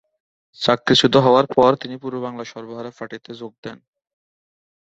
চাকরিচ্যুত হওয়ার পর তিনি পূর্ব বাংলার সর্বহারা পার্টিতে যোগ দেন।